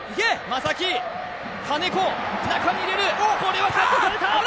マサキ金子中に入れるこれはカットされたああ